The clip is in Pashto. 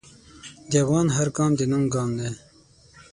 د افغان هر ګام د ننګ ګام دی.